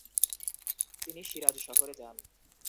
তিনি শিরাজ শহরে যান।